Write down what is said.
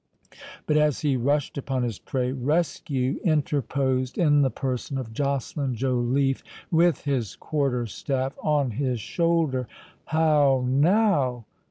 But as he rushed upon his prey, rescue interposed in the person of Joceline Joliffe, with his quarterstaff on his shoulder. "How now?